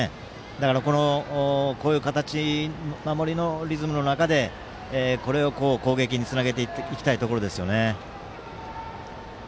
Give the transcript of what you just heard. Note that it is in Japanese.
だから、こういう守りのリズムの中でこれを攻撃につなげていきたいところですよね。